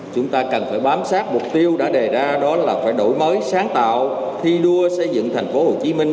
chúng ta cần phải bám sát mục tiêu đã đề ra đó là phải đổi mới sáng tạo thi đua xây dựng tp hcm